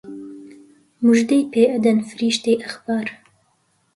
موژدەی پێ ئەدەن فریشتەی ئەخبار